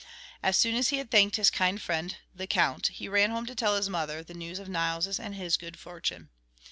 As soon as he had thanked his kind friend the Count he ran home to tell his mother the news of Nils' and his good fortune.